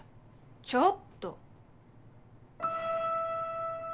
ちょっと。